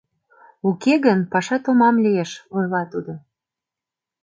Уке гын, паша томам лиеш, — ойла тудо.